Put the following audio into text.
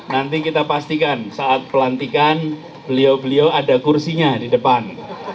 nanti kita pastikan saat pelantikan beliau beliau ada kursinya di depan